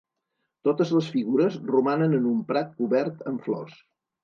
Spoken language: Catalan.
Totes les figures romanen en un prat cobert amb flors.